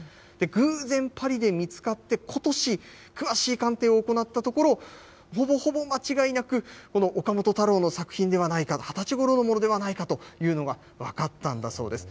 偶然、パリで見つかって、ことし、詳しい鑑定を行ったところ、ほぼほぼ間違いなく、岡本太郎の作品ではないかと、２０歳ごろのものではないかというのが分かったんだそうです。